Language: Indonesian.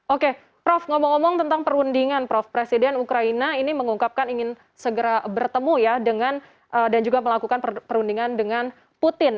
oke prof ngomong ngomong tentang perundingan prof presiden ukraina ini mengungkapkan ingin segera bertemu ya dengan dan juga melakukan perundingan dengan putin